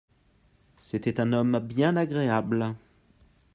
C'était un homme bien agréable